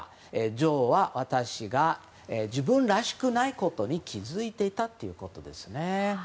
女王は私が自分らしくないことに気づいていたということですね。